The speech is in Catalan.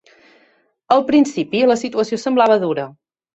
Al principi, la situació semblava dura.